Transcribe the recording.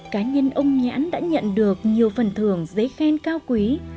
cá nhân ông nhãn đã nhận được nhiều phần thưởng giấy khen cao quý